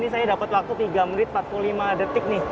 saya dapat waktu tiga menit empat puluh lima detik nih